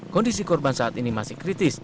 kondisi korban saat ini masih kritis